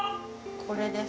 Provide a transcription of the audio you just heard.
これです。